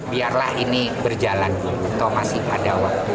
biarlah ini berjalan atau masih ada waktu